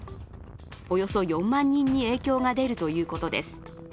およそ４万人に影響が出るということです。